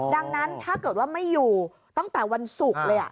ดังนั้นถ้าเกิดว่าไม่อยู่ตั้งแต่วันศุกร์เลย